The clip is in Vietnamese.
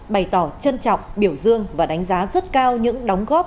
bày tỏ trân trọng biểu dương và đánh giá rất cao những đóng góp